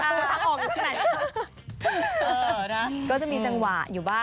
อ่อน่ะก็จะมีจังหวะอยู่บ้าง